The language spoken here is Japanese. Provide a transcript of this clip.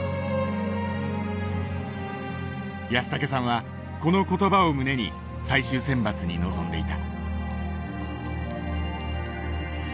安竹さんはこの言葉を胸に最終選抜に臨んでいた。